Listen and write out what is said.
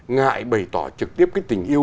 ngại bày tỏ trực tiếp cái tình yêu